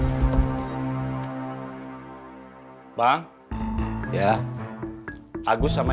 ya ada tiga orang